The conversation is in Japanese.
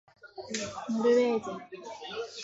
ノルウェー人